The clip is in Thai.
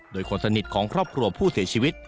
โดยคนสนิทของครอบครัวผู้เสียชีวิต